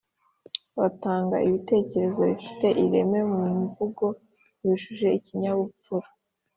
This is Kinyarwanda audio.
batanga ibitekerezo bifite ireme mu mvugo yuje ikinyabupfura.